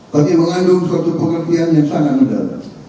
tapi mengandung suatu pengertian yang sangat mendadak